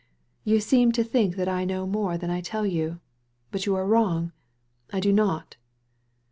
You seem to think that I know more than I tell you ; but you are wrong — I do not."